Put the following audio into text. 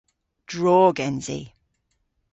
Drog ens i.